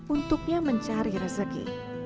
untuknya mencari rezeki